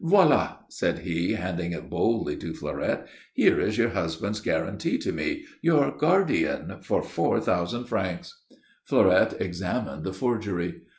"Voilà," said he, handing it boldly to Fleurette. "Here is your husband's guarantee to me, your guardian, for four thousand francs." Fleurette examined the forgery.